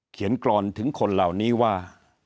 กรอนถึงคนเหล่านี้ว่า